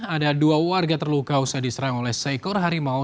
ada dua warga terluka usah diserang oleh seekor harimau